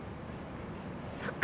そっか。